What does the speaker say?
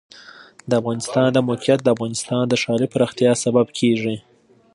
د افغانستان د موقعیت د افغانستان د ښاري پراختیا سبب کېږي.